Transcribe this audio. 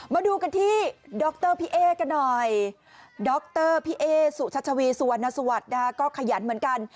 มาดูกันที่ดรพี่เอ๊กันหน่อยดรพี่เอ๊สุชัชวีสุวรรณสวัสดิ์นะคะก็ขยันเหมือนกัน